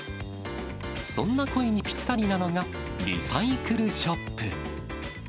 そんな声にぴったりなのが、リサイクルショップ。